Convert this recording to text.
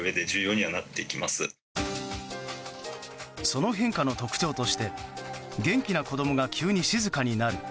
その変化の特徴として元気な子供が急に静かになる。